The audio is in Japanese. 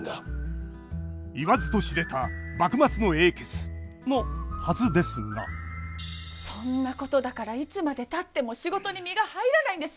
言わずと知れた幕末の英傑！のはずですがそんなことだからいつまでたっても仕事に身が入らないんですよ。